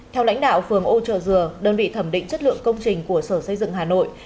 theo lãnh đạo phường âu trợ dừa đơn vị thẩm định chất lượng công trình của sở xây dựng hà nội